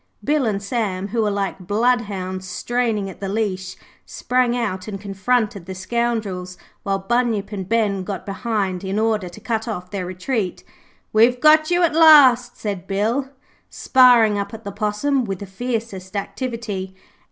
Bill and Sam, who were like bloodhounds straining at the leash, sprang out and confronted the scoundrels, while Bunyip and Ben got behind in order to cut off their retreat. 'We've got you at last,' said Bill, sparring up at the Possum with the fiercest activity.